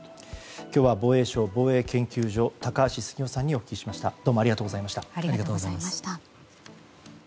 今日は防衛省防衛研究所高橋杉雄さんにお聞きしました。